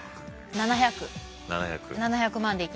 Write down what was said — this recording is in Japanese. ７００万でいきます。